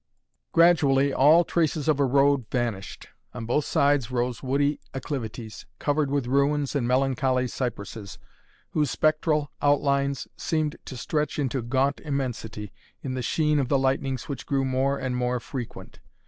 Gradually all traces of a road vanished. On both sides rose woody acclivities, covered with ruins and melancholy cypresses, whose spectral outlines seemed to stretch into gaunt immensity, in the sheen of the lightnings which grew more and more frequent.